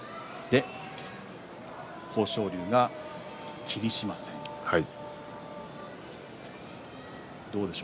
豊昇龍が霧島戦です。